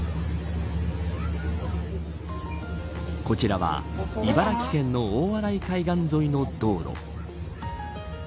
こちらは茨城県の大洗海岸沿いの道路。